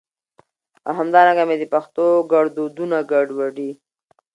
او همدا رنګه مي د پښتو ګړدودونه ګډوډي